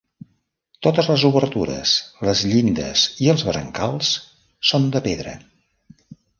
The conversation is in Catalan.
Totes les obertures, les llindes i els brancals són de pedra.